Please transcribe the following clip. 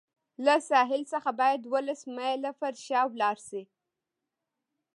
له ساحل څخه باید اوولس مایله پر شا لاړ شي.